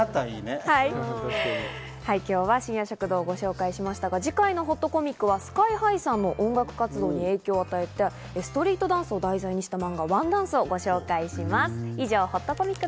今日は『深夜食堂』をご紹介しましたが、次回のほっとコミックは ＳＫＹ−ＨＩ さんの音楽活動に影響を与えた、ストリートダンスを私と「キャンバス」は似ているおーい！